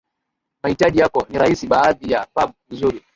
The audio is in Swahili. mahitaji yako ni rahisi baadhi ya pub nzuri